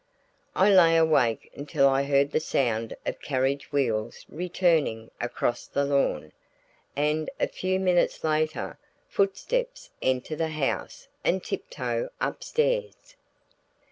I lay awake until I heard the sound of carriage wheels returning across the lawn, and, a few minutes later, footsteps enter the house and tip toe upstairs.